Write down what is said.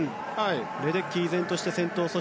レデッキーが依然として先頭。